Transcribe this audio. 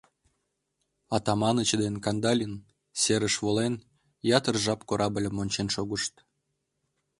Атаманыч ден Кандалин, серыш волен, ятыр жап корабльым ончен шогышт.